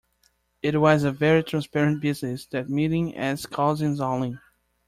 It was a very transparent business, that meeting as cousins only.